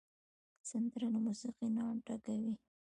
سندره له موسیقۍ نه ډکه وي